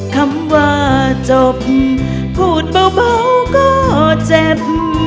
คำว่าจบพูดเบาก็เจ็บ